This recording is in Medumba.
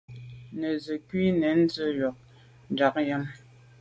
Nə nzìkuʼ nɛ̂n jə yò cwɛ̌d nja αm.